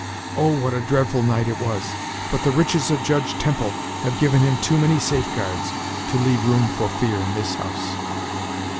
Oh, what a dreadful night it was! But the riches of Judge Temple have given him too many safeguards, to leave room for fear in this house."